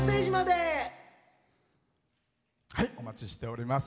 お待ちしてます。